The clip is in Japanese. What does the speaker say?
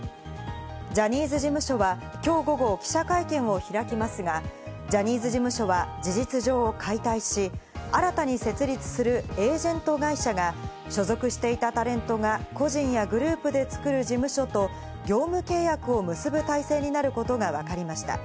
ジャニーズ事務所はきょう午後、記者会見を開きますが、ジャニーズ事務所は事実上、解体し、新たに設立するエージェント会社が所属していたタレントが個人やグループでつくる事務所と業務契約を結ぶ体制になることがわかりました。